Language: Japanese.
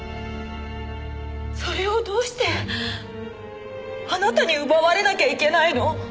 それをどうしてあなたに奪われなきゃいけないの？